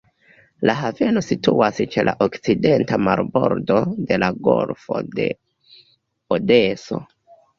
La haveno situas ĉe la okcidenta marbordo de la golfo de Odeso.